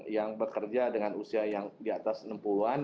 yang bekerja dengan usia yang diatas enam puluh an